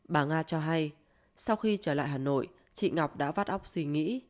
bà nga cho hay sau khi trở lại hà nội chị ngọc đã vắt óc suy nghĩ